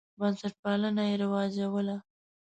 بنسټپالنه یې رواجوله.